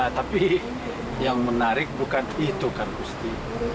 tapi yang menarik bukan itu kan pasti